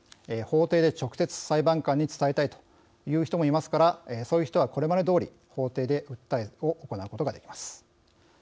法廷で直接、裁判官に伝えたいという人もいますからそういう人は、これまでどおり法廷で訴えを行うことができます。